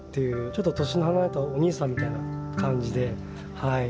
ちょっと年の離れたお兄さんみたいな感じではい。